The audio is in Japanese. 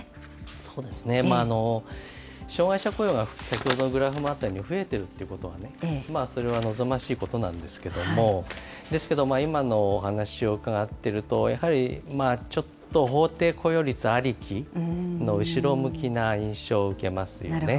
そうですね、障害者雇用が先ほどのグラフを見ても、増えていることはね、それは望ましいことなんですけれども、ですけど、今のお話を伺っていると、やはり、ちょっと法定雇用率ありきの後ろ向きな印象を受けますよね。